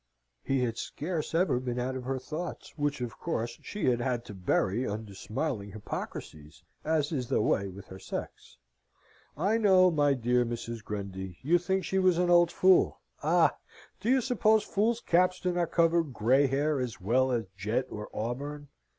He had scarce ever been out of her thoughts, which of course she had had to bury under smiling hypocrisies, as is the way with her sex. I know, my dear Mrs. Grundy, you think she was an old fool? Ah! do you suppose fools' caps do not cover grey hair, as well as jet or auburn?